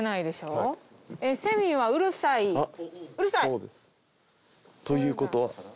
そうです。という事は。